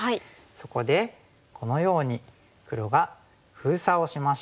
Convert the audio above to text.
そこでこのように黒が封鎖をしまして。